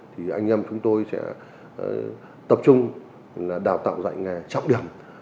thì anh em chúng tôi sẽ tập trung đào tạo dạy nghề trọng điểm